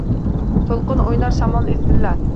To‘lqin o‘ynar, shamol izillar